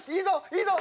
いいぞ！